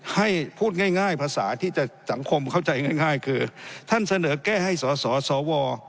ให้พูดง่ายภาษาที่จะสังคมเข้าใจง่ายคือท่านเสนอแก้ให้สสว